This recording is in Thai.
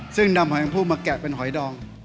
ซึ่งนำหอยแมงผู้มาแกะเป็นหอยดอง